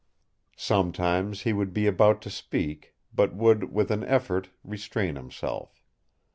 Sometimes he would be about to speak, but would, with an effort, restrain himself.